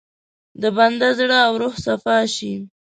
د بنده زړه او روح صفا شي.